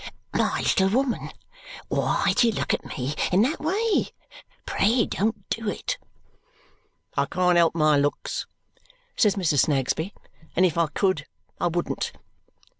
"My little woman, why do you look at me in that way? Pray don't do it." "I can't help my looks," says Mrs. Snagsby, "and if I could I wouldn't."